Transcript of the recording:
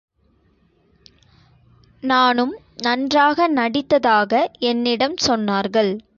நானும் நன்றாக நடித்ததாக என்னிடம் சொன்னார்கள்.